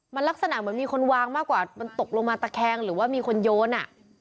มันลักษณะเหมือนมีคนวางมากกว่ามันตกลงมาตะแคงหรือว่ามีคนโยนอ่ะ